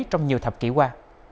trong nhiều thập kỷ qua